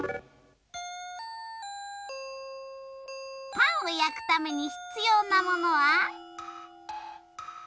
パンをやくためにひつようなものは？